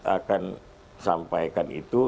akan sampaikan itu